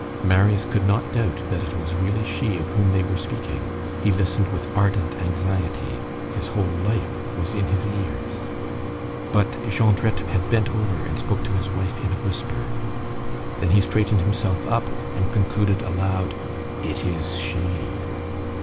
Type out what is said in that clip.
Marius could not doubt that it was really she of whom they were speaking. He listened with ardent anxiety. His whole life was in his ears. But Jondrette had bent over and spoke to his wife in a whisper. Then he straightened himself up and concluded aloud:— "It is she!"